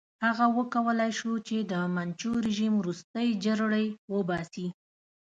هغه وکولای شو چې د منچو رژیم ورستۍ جرړې وباسي.